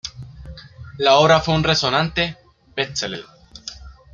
La obra fue un resonante best-seller.